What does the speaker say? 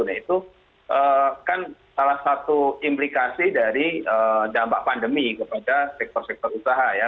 nah itu kan salah satu implikasi dari dampak pandemi kepada sektor sektor usaha ya